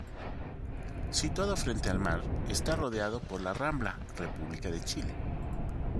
Situado frente al mar, está rodeado por la Rambla República de Chile.